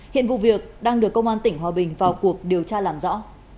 hiện vụ việc đang được công an tỉnh hòa bình vào cuộc điều tra làm rõ